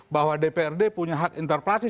bahwa dprd punya hak interpelasi